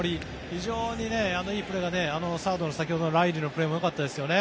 非常にいいプレーがサードの先ほどのライリーのプレーもよかったですよね。